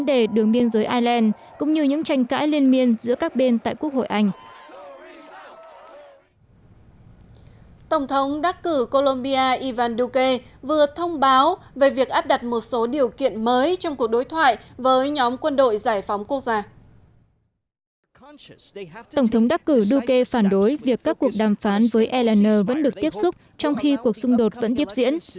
tổng thống đắc cử duque phản đối việc các cuộc đàm phán với eln vẫn được tiếp xúc trong khi cuộc xung đột vẫn tiếp diễn